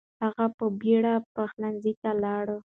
هغه په بیړه پخلنځي ته لاړ.